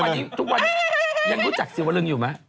ไม่ทุกวันนี้ยังรู้จักเสวะลึงอยู่ไหม